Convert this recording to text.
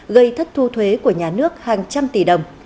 gây thất thu thuế của nhà nước hàng trăm tỷ đồng